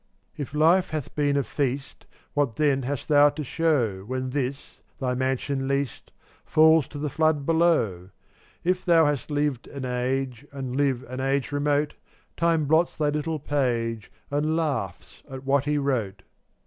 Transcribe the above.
bmat ® If life hath been a feast, What then hast thou to show, ti When this, thy mansion leased, Falls to the flood below? If thou hast lived an age, And live an age remote, Time blots thy little page And laughs at what he wrote.